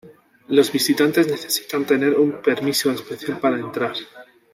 Los visitantes necesitan tener un permiso especial para entrar.